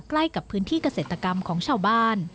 ใกล้กับพื้นที่เกษตรกรรมของชาวบ้าน